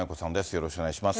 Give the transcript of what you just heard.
よろしくお願いします。